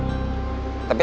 saya buru buru menangis